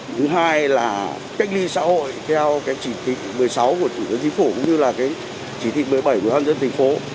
thứ hai là cách ly xã hội theo chỉ thị một mươi sáu của thủ tướng chính phủ cũng như là chỉ thị một mươi bảy của ban dân thành phố